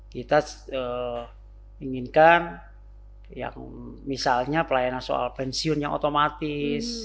kita inginkan yang misalnya pelayanan soal pensiun yang otomatis